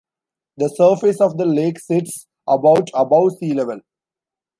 The surface of the lake sits about above sea level.